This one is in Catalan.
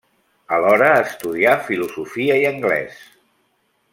Alhora estudià filosofia i anglès.